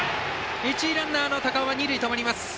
一塁ランナーの高尾二塁で止まります。